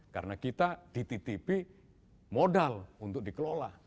karena kita dititipi modal untuk dikelola